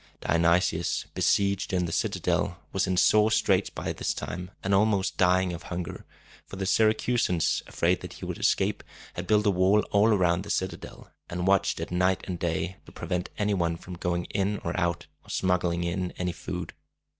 Dionysius, besieged in the citadel, was in sore straits by this time, and almost dying of hunger; for the Syracusans, afraid that he would escape, had built a wall all around the citadel, and watched it night and day, to prevent any one from going in or out, or smuggling in any food.